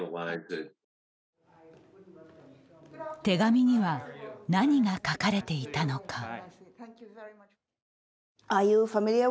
手紙には何が書かれていたのか。